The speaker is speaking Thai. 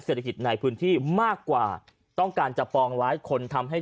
เศรษฐกิจในพื้นที่มากกว่าต้องการจะปองร้ายคนทำให้